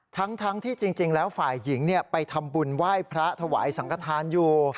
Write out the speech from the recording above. ทั้งที่จริงแล้วฝ่ายหญิงไปทำบุญไหว้พระถวายสังกฐานอยู่